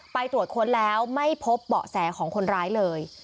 ไปตรวจค้นแล้วไม่พบเบาะแสของคนร้ายเลย